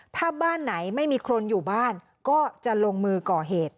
ถ้าบ้านไหนไม่มีคนอยู่บ้านก็จะลงมือก่อเหตุ